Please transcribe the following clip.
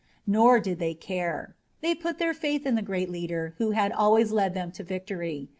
Nor did they care. They put their faith in the great leader who had always led them to victory.